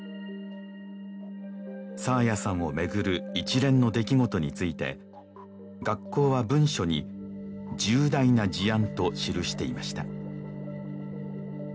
爽彩さんを巡る一連の出来事について学校は文書に「重大な事案」と記していました